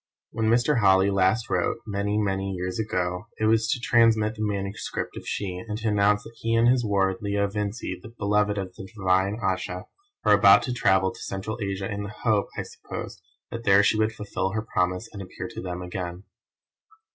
When Mr. Holly last wrote, many, many years ago, it was to transmit the manuscript of She, and to announce that he and his ward, Leo Vincey, the beloved of the divine Ayesha, were about to travel to Central Asia in the hope, I suppose, that there she would fulfil her promise and appear to them again.